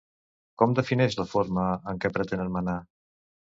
Com defineix la forma en que pretenen manar?